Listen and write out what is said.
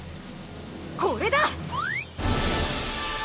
これだ！